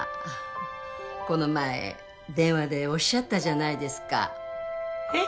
この前電話でおっしゃったじゃないですかえっ？